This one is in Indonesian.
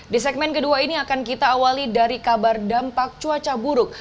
di segmen kedua ini akan kita awali dari kabar dampak cuaca buruk